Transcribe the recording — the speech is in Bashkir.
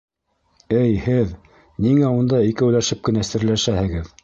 Эй, һеҙ, ниңә унда икәүләшеп кенә серләшәһегеҙ?